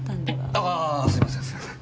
あぁすいませんすいません。